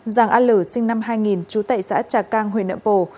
giàng a lử sinh năm hai nghìn trú tại xã trà cang huyện nậm pồ